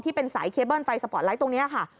ที่เป็นสายเคเบิ้ลไฟสปอร์ตไลท์ตรงนี้ค่ะ